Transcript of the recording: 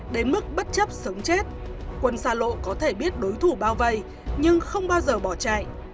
đến mức bất chấp sống chết quân xa lộ có thể biết đối thủ bao vây nhưng không bao giờ bỏ chạy